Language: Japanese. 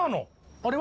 あれは？